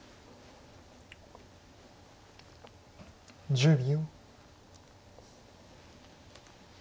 １０秒。